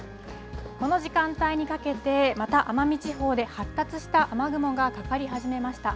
この時間帯にかけてまた奄美地方で発達した雨雲がかかり始めました。